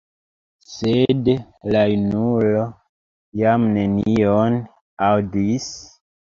Sed la junulo jam nenion aŭdis.